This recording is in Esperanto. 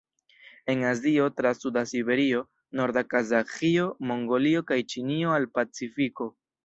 En Azio tra suda Siberio, norda Kazaĥio, Mongolio kaj Ĉinio al Pacifiko.